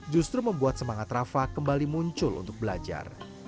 justru membuat semangat rafa kembali muncul untuk belajar